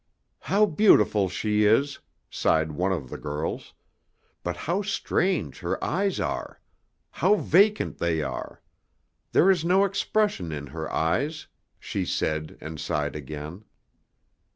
"How beautiful she is," sighed one of the girls, "but how strange her eyes are! How vacant they are! There is no expression in her eyes," she said and sighed again.